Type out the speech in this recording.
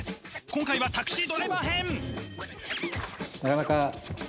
今回は、タクシードライバー編！